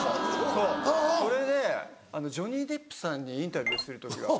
そうそれでジョニー・デップさんにインタビューする時があって。